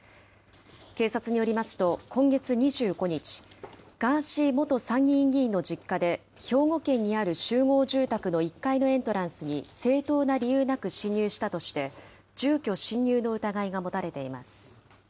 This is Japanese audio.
警察によりますと、今月２５日、ガーシー元参議院議員の実家で、兵庫県にある集合住宅の１階のエントランスに、正当な理由なく侵入したとして、住居侵入の疑いが持たれています。